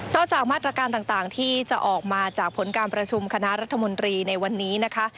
จากมาตรการต่างที่จะออกมาจากผลการประชุมคณะรัฐมนตรีในวันนี้นะคะ